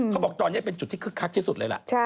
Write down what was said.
เขาบอกตอนนี้เป็นจุดที่คึกคักที่สุดเลยล่ะ